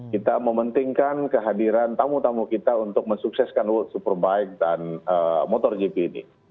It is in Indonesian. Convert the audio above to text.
kita mementingkan kehadiran tamu tamu kita untuk mensukseskan superbike dan motor jepi ini